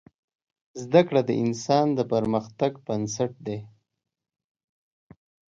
زده کړه د انسان د پرمختګ بنسټ دی.